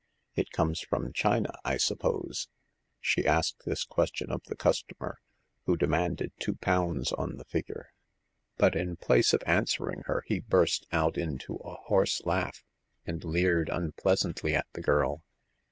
'* It comes from China, I suppose ?" She asked this question of the customer, who demanded two pounds on the figure; but in place of answering her, he burst out into a hoarse laugh, and leered unpleasantly at the girl.